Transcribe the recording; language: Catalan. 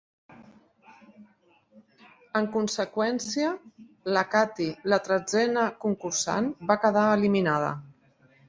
En conseqüència, la Kathy, la tretzena concursant, va quedar eliminada.